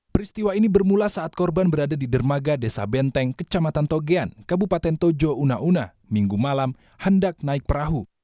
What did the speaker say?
peristiwa ini bermula saat korban berada di dermaga desa benteng kecamatan togean kabupaten tojo una una minggu malam hendak naik perahu